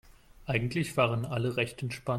Eigentlich waren alle recht entspannt.